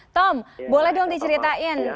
tom boleh dong diceritakan